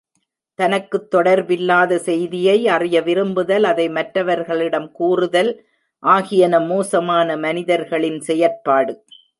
தனக்குத் தொடர்பில்லாத செய்தியை அறிய விரும்புதல் அதை மற்றவர்களிடம் கூறுதல் ஆகியன மோசமான மனிதர்களின் செயற்பாடு.